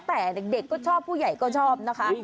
แต่เด็กก็ชอบผู้ใหญ่ก็ชอบนะคะ